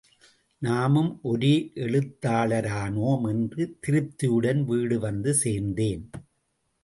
நாமும் ஒரு எழுத்தாளரானோம் என்ற திருப்தியுடன் வீடு வந்து சேர்ந்தேன்.